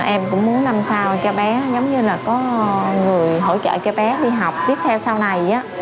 em cũng muốn năm sao cho bé giống như là có người hỗ trợ cho bé đi học tiếp theo sau này